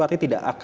artinya tidak ada